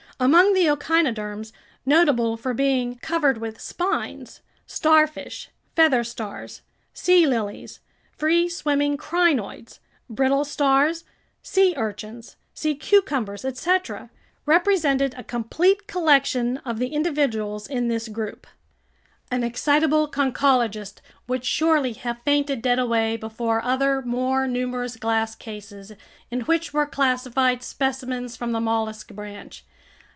Among the echinoderms, notable for being covered with spines: starfish, feather stars, sea lilies, free swimming crinoids, brittle stars, sea urchins, sea cucumbers, etc., represented a complete collection of the individuals in this group. An excitable conchologist would surely have fainted dead away before other, more numerous glass cases in which were classified specimens from the mollusk branch.